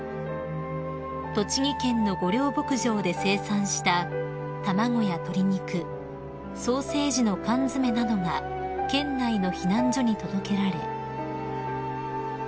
［栃木県の御料牧場で生産した卵や鶏肉ソーセージの缶詰などが県内の避難所に届けられ］